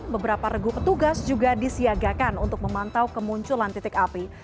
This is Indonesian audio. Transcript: beberapa regu petugas juga disiagakan untuk memantau kemunculan titik api